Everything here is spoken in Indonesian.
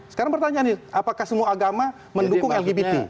sekarang pertanyaan nih apakah semua agama mendukung lgbt